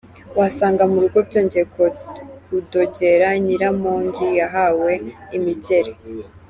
Wasanga murugo byongeye kudogera Nyiramongi yahawe imigeri.